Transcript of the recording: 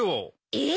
えっ？